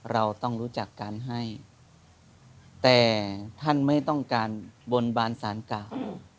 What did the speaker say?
เราต้องรู้จักการให้แต่ท่านไม่ต้องการบนบานสารเก่า